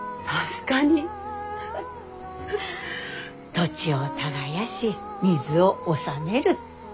土地を耕し水を治める。